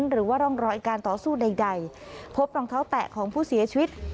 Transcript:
หรือว่าร่องรอยการต่อสู้ใดพบรองเท้าแตะของผู้เสียชีวิต